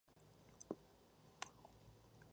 Todos los demás tuvieron chicos u hombres como amantes.